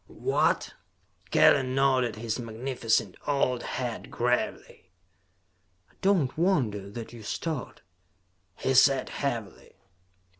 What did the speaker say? "What?" Kellen nodded his magnificent old head gravely. "I do not wonder that you start," he said heavily.